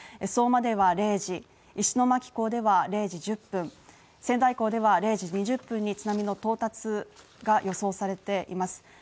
相馬では０時石巻港では０時１０分仙台港では０時２０分に津波の到達が予想されています